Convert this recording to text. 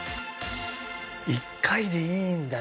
１回でいいんだね